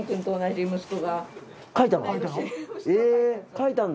描いたの？